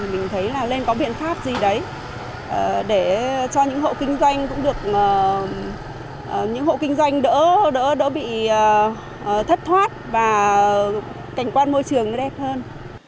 mình thấy là nên có biện pháp gì đấy để cho những hộ kinh doanh đỡ bị thất thoát và cảnh quan môi trường đẹp hơn